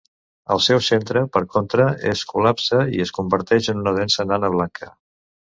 El seu centre, per contra, es col·lapsa i es converteix en una densa nana blanca.